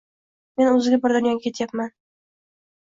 Men o‘zga bir dunyoga ketyapman